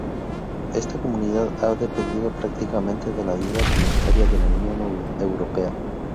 Esta comunidad ha dependido prácticamente de la ayuda comunitaria de la Unión Europea.